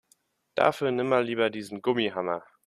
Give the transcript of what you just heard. Dafür nimm mal lieber diesen Gummihammer.